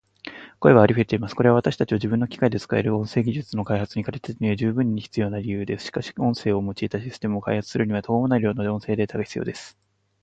声はありふれています。これは私たちを自分の機械で使える音声技術の開発に駆り立てるには十分に必要な理由です。しかし、音声を用いたシステムを開発するには途方もない量の音声データが必要です。